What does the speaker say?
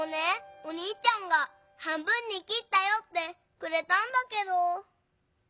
おにいちゃんが「半分にきったよ」ってくれたんだけど。